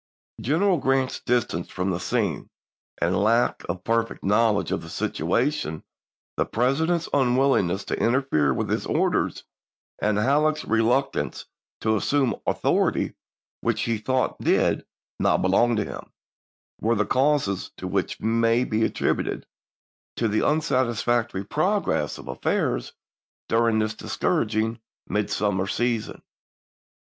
General Grant's distance from the scene ms. and lack of perfect knowledge of the situation, the President's unwillingness to interfere with his orders, and Halleck's reluctance to assume author ity which he thought did not belong to him, were the causes to which may be attributed the unsatis 176 ABRAHAM LINCOLN Grant to Lincoln. factory progress of affairs during this discouraging midsummer season.